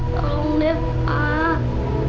tolong deh pak